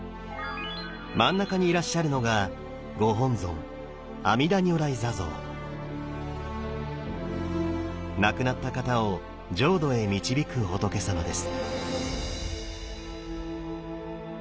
真ん中にいらっしゃるのがご本尊亡くなった方を浄土へ導く仏さまです。